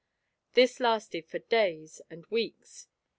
"This lasted for days and weeks.